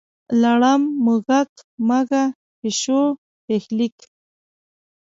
لړم، موږک، مږه، پیشو، پیښلیک.